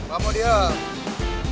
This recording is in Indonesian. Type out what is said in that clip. gak mau diem